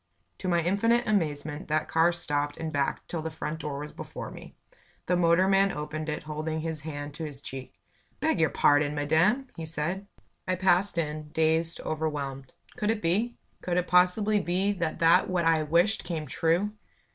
To my infinite amazement, that car stopped and backed till the front door was before me. The motorman opened it. holding his hand to his cheek. "Beg your pardon, madam!" he said. I passed in, dazed, overwhelmed. Could it be? Could it possibly be that that what I wished came true.